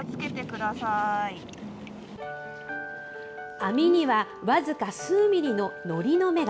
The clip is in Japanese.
網には僅か数ミリののりの芽が。